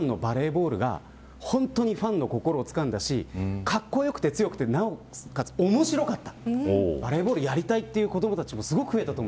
それぐらい皆さんのバレーボールがファンの心をつかんだしかっこよくて、強くてなおかつ面白かった。